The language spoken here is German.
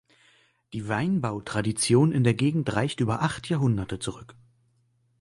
Die Weinbautradition in der Gegend reicht über acht Jahrhunderte zurück.